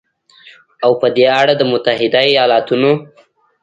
او په دې اړه د متحدو ایالتونو